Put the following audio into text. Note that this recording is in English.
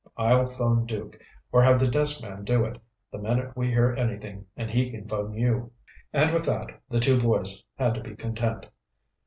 I'll phone Duke, or have the desk man do it, the minute we hear anything and he can phone you." And with that, the two boys had to be content.